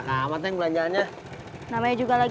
hah toplak lah